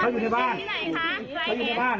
เขาอยู่ในบ้านอยู่แล้วเขาอยู่ในบ้าน